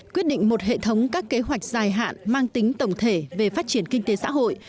quyết định một hệ thống các kế hoạch dài hạn mang tính tổng thể về phát triển kinh tế xã hội